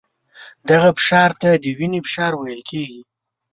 دغه فشار ته د وینې فشار ویل کېږي.